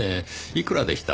いくらでした？